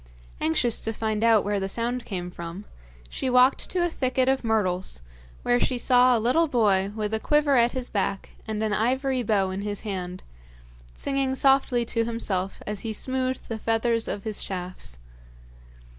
Anxious to find out where the sound came from, she walked to a thicket of myrtles, where she saw a little boy with a quiver at his back and an ivory bow in his hand, singing softly to himself as he smoothed the feathers of his shafts.